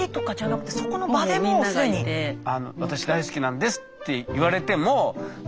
「私大好きなんです」って言われても。